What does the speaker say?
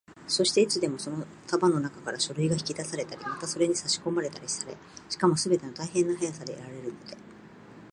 そして、いつでもその束のなかから書類が引き出されたり、またそれにさしこまれたりされ、しかもすべて大変な速さでやられるので、